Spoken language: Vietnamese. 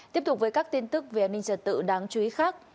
tiếp tục với các tin tức về an ninh trật tự đáng chú ý khác